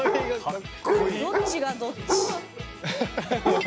どっちがどっち。